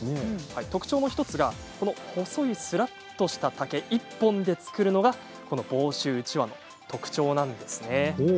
特徴の１つがこの細いすらっとした竹１本で作るのがこの房州うちわの特徴なんです。